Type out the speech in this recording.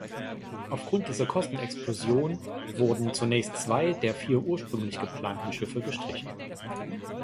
Aufgrund dieser Kostenexplosion wurden zunächst zwei der vier ursprünglich geplanten Schiffe gestrichen.